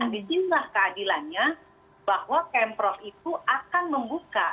disinilah keadilannya bahwa kemprok itu akan membuka